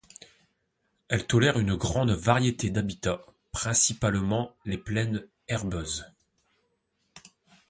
Elle tolère une grande variété d’habitats, principalement les plaines herbeuses.